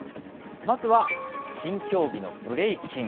まずは新競技のブレイキン。